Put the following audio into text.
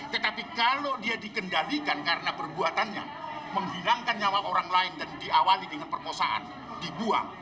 tetapi kalau dia dikendalikan karena perbuatannya menghilangkan nyawa orang lain dan diawali dengan permosaan dibuang